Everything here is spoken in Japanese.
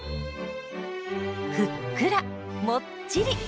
ふっくらもっちり！